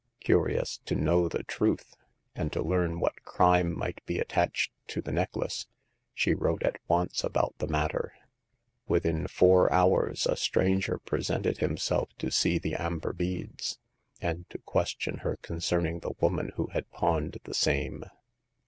Curious to know the truth, and to learn what crime might be attached to the neck lace, she wrote at once about the matter. Within four hours a stranger presented himself to see the amber beads, and to question her concern ing the woman who had pawned the same.